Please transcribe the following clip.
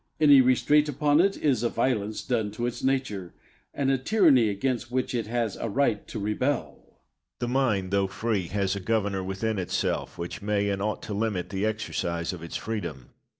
Any restraint upon it is a violence done to its nature, and a tyranny against which it has a right to rebel. Locke. The mind, though free, has a governor within itself, which may and ought to limit the exercise of its freedom.